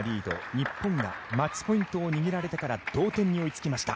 日本はマッチポイントを握られてから同点に追いつきました。